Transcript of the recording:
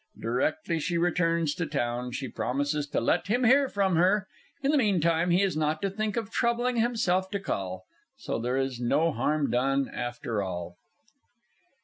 Directly she returns to Town, she promises to let him hear from her; in the meantime, he is not to think of troubling himself to call. So there is no harm done, after all.